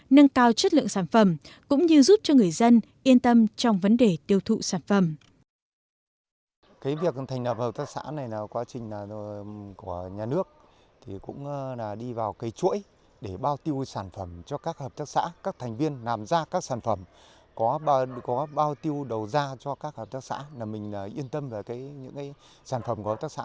nâng cao chất lượng sản phẩm cũng như giúp cho người dân yên tâm trong vấn đề tiêu thụ sản phẩm